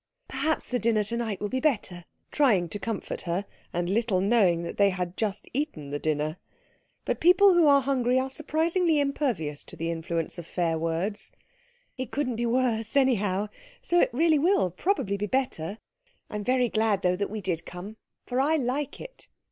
"Perhaps the dinner to night will be better," said Anna, trying to comfort her, and little knowing that they had just eaten the dinner; but people who are hungry are surprisingly impervious to the influence of fair words. "It couldn't be worse, anyhow, so it really will probably be better. I'm very glad though that we did come, for I like it."